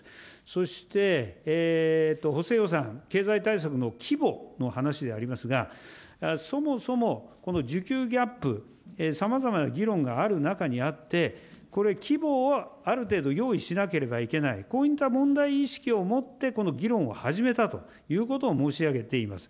そして、補正予算、経済対策の規模の話でありますが、そもそもこの需給ギャップ、さまざまな議論がある中にあって、これ、規模はある程度用意しなければいけない、ポイントは問題意識を持って、この議論を始めたということを申し上げています。